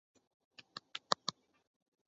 模范邨其后由香港房屋委员会接管。